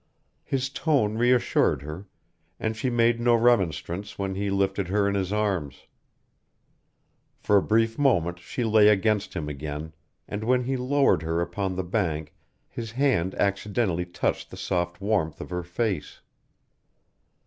His tone reassured her, and she made no remonstrance when he lifted her in his arms. For a brief moment she lay against him again, and when he lowered her upon the bank his hand accidentally touched the soft warmth of her face.